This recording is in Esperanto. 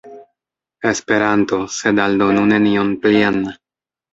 Esperanto, sed aldonu nenion plian.